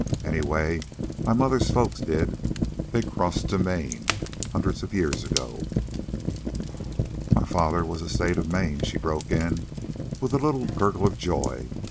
"Anyway, my mother's folks did. They crossed to Maine hundreds of years ago." "My father was 'State of Maine," she broke in, with a little gurgle of joy.